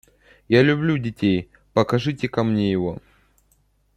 Я люблю детей: покажите-ка мне его.